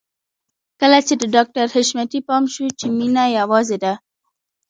کله چې د ډاکټر حشمتي پام شو چې مينه يوازې ده.